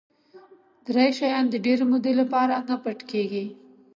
درې شیان د ډېرې مودې لپاره نه پټ کېږي.